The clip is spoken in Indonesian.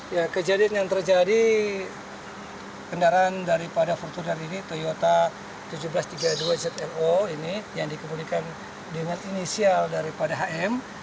ya kejadian yang terjadi kendaraan daripada fortuner ini toyota seribu tujuh ratus tiga puluh dua zlo ini yang dikemudikan dengan inisial daripada hm